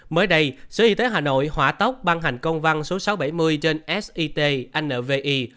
mới đây sở y tế hà nội hỏa tốc ban hành công văn số sáu trăm bảy mươi trên sit nvi